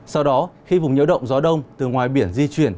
sau đó khi vùng nhẫu động gió đông từ ngoài biển di chuyển